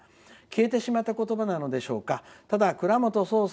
消えてしまった言葉なのでしょうか。